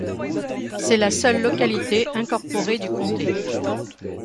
C’est la seule localité incorporée du comté.